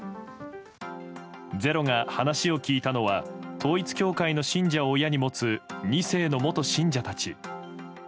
「ｚｅｒｏ」が話を聞いたのは統一教会の信者を親に持つ２世の元信者たち。